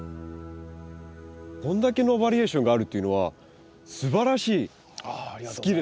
こんだけのバリエーションがあるっていうのはすばらしい！